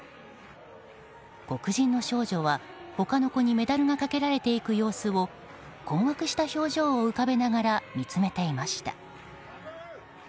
黒人の少女は、他の子にメダルがかけられていく様子を困惑した表情を浮かべながら見つめていました。